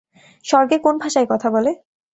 স্বর্গে কোন ভাষায় কথা বলে?